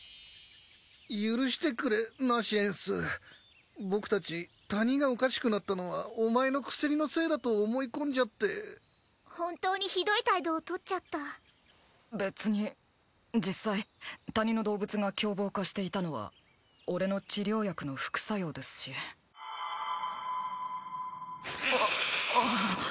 許してくれナシエンス僕達谷がおかしくなったのはお前の薬のせいだと思い込んじゃって本当にひどい態度を取っちゃった別に実際谷の動物が凶暴化していたのは俺の治療薬の副作用ですしあっああ